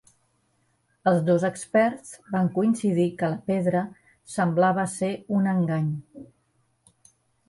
Els dos experts van coincidir que la pedra semblava ser un engany.